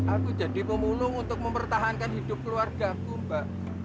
aku jadi pemulung untuk mempertahankan hidup keluarga ku mba